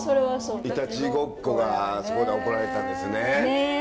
いたちごっこがそこで行われたんですね。